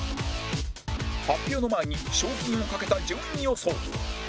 発表の前に賞金を懸けた順位予想